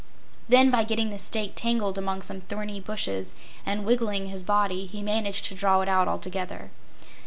Then, by getting the stake tangled among some thorny bushes, and wiggling his body, he managed to draw it out altogether.